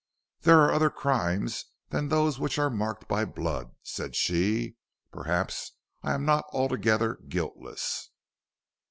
"There are other crimes than those which are marked by blood," said she. "Perhaps I am not altogether guiltless."